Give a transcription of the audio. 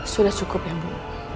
sudah cukup ya bu